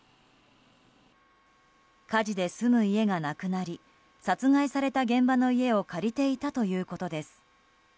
火事で住む家がなくなり殺害された現場の家を借りていたということです。